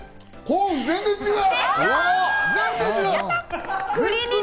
コーン全然違う！